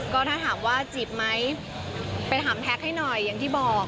ก็ถ้าถามว่าจีบไหมไปถามแท็กให้หน่อยอย่างที่บอก